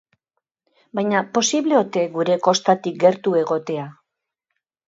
Baina posible ote gure kostatik gertu egotea?